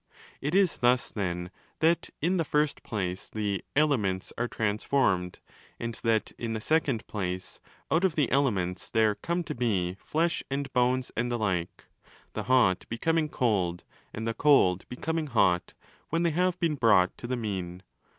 It is thus, then, that zz the first place the ' elements' are transformed ; and that (zx the second place) * out of the 'elements' there come to be flesh and bones and the like— the hot becoming cold and the cold becoming hot when they* have been brought to the 'mean'.